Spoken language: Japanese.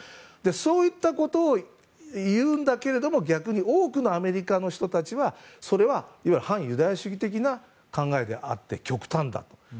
そういったことを言うんだけれども逆に多くのアメリカの人たちはそれは反ユダヤ主義的な考えであって極端だと。